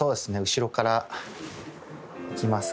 後ろからいきますか。